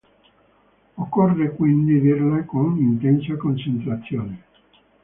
Occorre quindi dirla con intensa concentrazione.